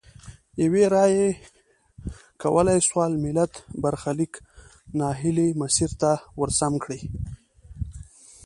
یوي رایې کولای سول ملت برخلیک نا هیلي مسیر ته ورسم کړي.